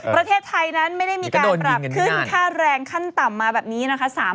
ประเทศไทยนั้นไม่ได้มีการปรับขึ้นค่าแรงขั้นต่ำมาแบบนี้นะคะ